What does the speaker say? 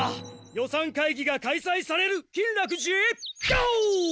予算会議が開さいされる金楽寺へゴー！